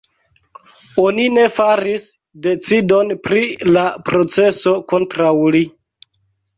Oni ne faris decidon pri la proceso kontraŭ li.